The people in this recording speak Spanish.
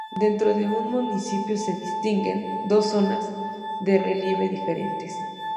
Dentro de municipio se distinguen dos zonas de relieve diferentes.